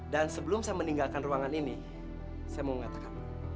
dan sebelum saya meninggalkan ruangan ini saya mau mengatakan